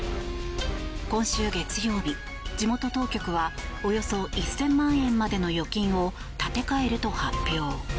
今週月曜日、地元当局はおよそ１０００万円までの預金を立て替えると発表。